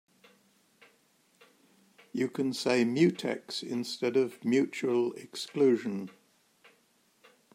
You can say mutex instead of mutual exclusion.